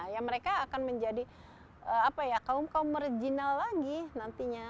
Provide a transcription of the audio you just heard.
ya mereka akan menjadi kaum kaum marginal lagi nantinya